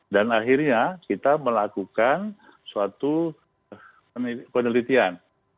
dan akhirnya kita melakukan suatu penelitian